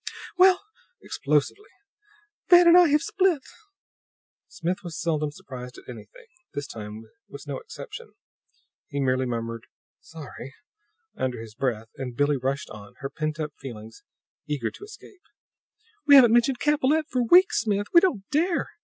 "Well," explosively, "Van and I have split!" Smith was seldom surprised at anything. This time was no exception. He merely murmured "Sorry" under his breath; and Billie rushed on, her pent up feelings eager to escape. "We haven't mentioned Capellette for weeks, Smith! We don't dare!